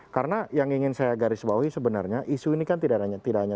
karena yang ingin saya garisbawahi sebenarnya isu ini kan tidak hanya satu